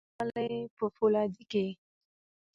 د دې ولسوالۍ په فولادي کې